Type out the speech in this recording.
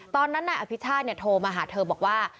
ตอนนั้นนายอภิชาติโทรมาหาเธอบอกว่า